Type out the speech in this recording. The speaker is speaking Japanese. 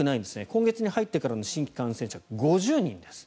今月に入ってから新規感染者が５０人です。